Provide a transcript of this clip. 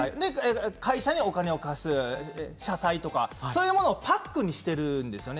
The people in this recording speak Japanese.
会社にお金を貸す、社債とかそういうものをパックにしているんですね。